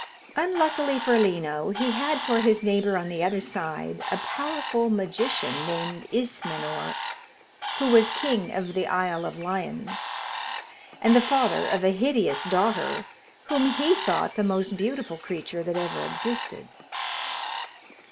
Unluckily for Lino, he had for his neighbour on the other side a powerful magician named Ismenor, who was king of the Isle of Lions, and the father of a hideous daughter, whom he thought the most beautiful creature that ever existed.